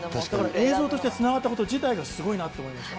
映像としてつながったこと自体がすごいなと思いました。